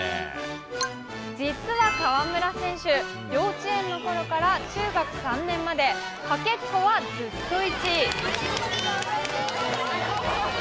実は河村選手、幼稚園のころから中学３年まで、駆けっこはずっと１位。